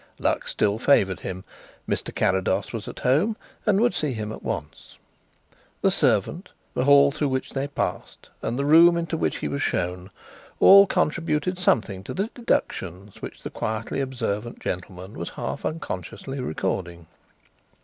Luck still favoured him; Mr. Carrados was at home and would see him at once. The servant, the hall through which they passed, and the room into which he was shown, all contributed something to the deductions which the quietly observant gentleman was half unconsciously recording.